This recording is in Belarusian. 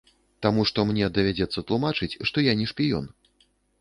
Таму што мне давядзецца тлумачыць, што я не шпіён.